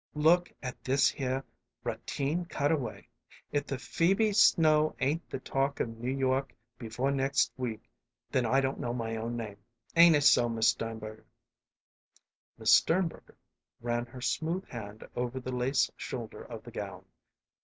"Look at this here ratine cutaway. If the Phoebe Snow ain't the talk of New York before next week, then I don't know my own name. Ain't it so, Miss Sternberger?" Miss Sternberger ran her smooth hand over the lace shoulder of the gown.